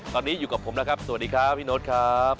ตอนนี้อยู่กับผมแล้วครับสวัสดีครับพี่โน๊ตครับ